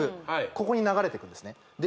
ここに流れてくんですねで